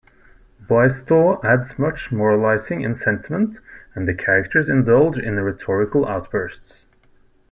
Boaistuau adds much moralizing and sentiment, and the characters indulge in rhetorical outbursts.